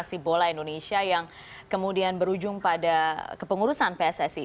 kami juga menyuarakan bahwa kemungkinan prestasi bola indonesia yang kemudian berujung pada kepengurusan pssi